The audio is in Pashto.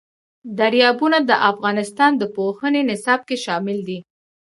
دریابونه د افغانستان د پوهنې نصاب کې شامل دي.